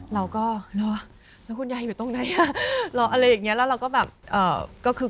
เราก็แล้วคุณยายอยู่ตรงไหนแล้วเราก็แบบ